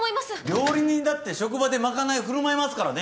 料理人だって職場で賄い振る舞いますからね。